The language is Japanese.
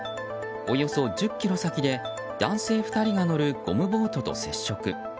およそ１０ｋｍ先で男性２人が乗るゴムボートと接触。